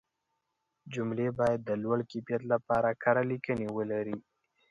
جملې باید د لوړ کیفیت لپاره کره لیکنې ولري.